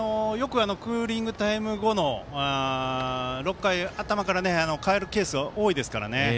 クーリングタイム後の６回頭から代えるがケースが多いですからね。